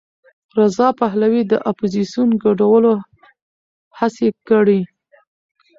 رضا پهلوي د اپوزېسیون ګډولو هڅې کړي.